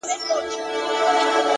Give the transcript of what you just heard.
پرون مي دومره درته وژړله ـ